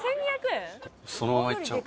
そのままいっちゃおう。